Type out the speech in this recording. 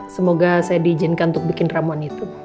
semoga saya diizinkan untuk bikin ramuan itu